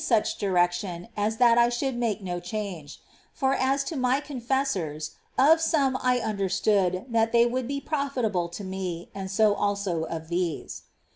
such direction as that I should make no change ; for as to my confessors, of some I understood that they would be profitable to me, and so also of these.